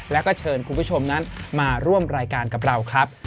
แล้วก็เชิญคุณผู้ชมนั้นมาร่วมรายการกับเราครับ